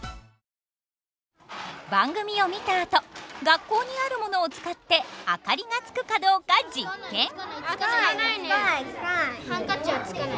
番組を見たあと学校にあるものを使ってあかりがつくかどうか実験！